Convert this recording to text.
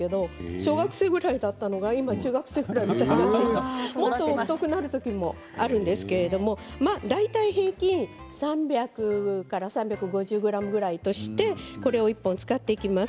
小学生ぐらいだったのが今は中学生ぐらいでもっと太くなるときもあるんですけれども大体平均３００から３５０ｇぐらいとしてこれを１本使っていきます。